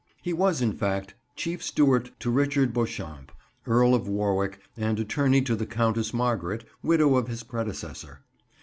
He was, in fact, chief steward to Richard Beauchamp, Earl of Warwick, and attorney to the Countess Margaret, widow of his predecessor.